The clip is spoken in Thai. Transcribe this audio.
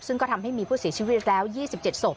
ซึ่งก็ทำให้มีผู้เสียชีวิตแล้ว๒๗ศพ